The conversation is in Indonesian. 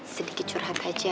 sedikit curhat aja